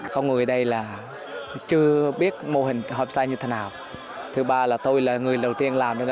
các người ở đây là chưa biết mô hình homestay như thế nào thứ ba là tôi là người đầu tiên làm nên